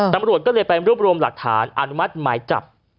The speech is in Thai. ตำรวจก็เลยไปรวบรวมหลักฐานอนุมัติหมายจับ